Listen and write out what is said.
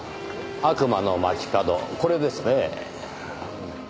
『悪魔の街角』これですねぇ。